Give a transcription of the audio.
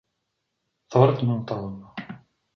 Thornton.